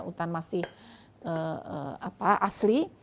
hutan masih asli